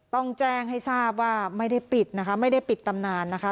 ต้องแจ้งให้ทราบว่าไม่ได้ปิดนะคะไม่ได้ปิดตำนานนะคะ